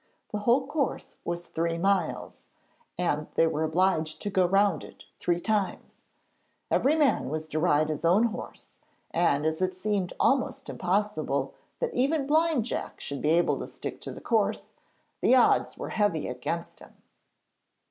The whole course was three miles, and they were obliged to go round it three times. Every man was to ride his own horse, and as it seemed almost impossible that even Blind Jack should be able to stick to the course, the odds were heavy against him.